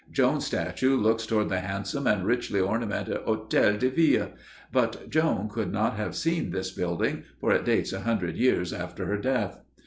Joan's statue looks toward the handsome and richly ornamented hôtel de ville, but Joan could not have seen this building, for it dates a hundred years after her death.